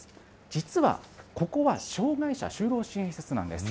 実はここは障害者就労支援施設なんです。